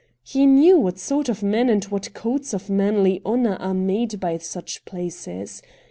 He knew what sort of men and what codes of manly honour are made by such places.